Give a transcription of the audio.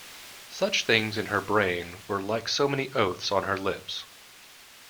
Such things in her brain were like so many oaths on her lips.